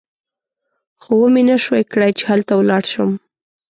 خو ومې نه شوای کړای چې هلته ولاړ شم.